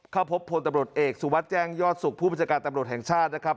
เข้าพบพลตำรวจเอกสุวัสดิ์แจ้งยอดสุขผู้บัญชาการตำรวจแห่งชาตินะครับ